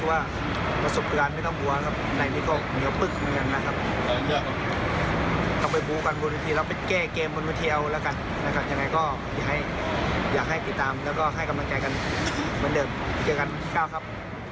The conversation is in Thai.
ถ้าเราติดกฎิกาไม่รู้จะไปเจอกันกฎิกาไหนมันเดิมนะครับ